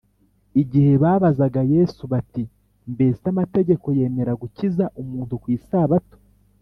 igihe babazaga yesu bati “mbese amategeko yemera gukiza umuntu ku isabato?